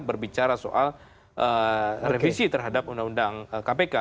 berbicara soal revisi terhadap undang undang kpk